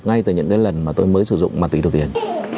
ngay từ những lần mà tôi mới sử dụng ma túy đầu tiên